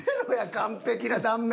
完璧な断面。